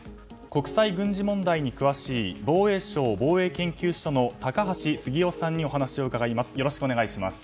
国際軍事問題に詳しい防衛省防衛研究所の高橋杉雄さんにお話を伺います。